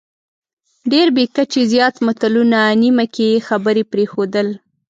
ډېر بې کچې زیات متلونه، نیمه کې خبرې پرېښودل،